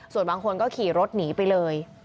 ส่วนบางคนก็ขี่รถหนีไปเลย